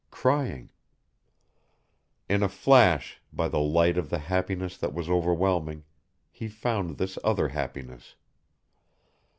Crying. In a flash, by the light of the happiness that was overwhelming, he found this other happiness.